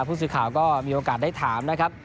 ผู้สื่อข่าวก็มีโอกาสได้ถามนะครับ